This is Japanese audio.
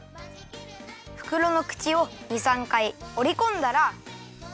ふくろのくちを２３かいおりこんだら。